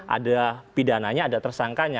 ada pidananya ada tersangkanya